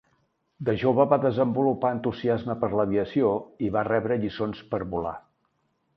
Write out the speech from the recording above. De jove, va desenvolupar entusiasme per l"aviació i va rebre lliçons per volar.